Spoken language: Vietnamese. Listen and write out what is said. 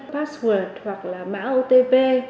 password hoặc là mã otp